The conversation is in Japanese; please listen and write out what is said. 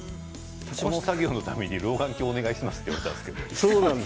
この作業のためだけに老眼鏡をお願いしますって言われたんだけど。